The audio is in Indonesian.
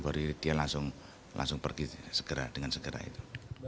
baru dia langsung pergi segera dengan segera itu